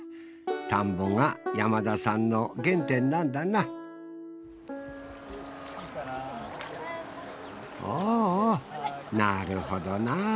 田んぼが山田さんの原点なんだなおおなるほどな。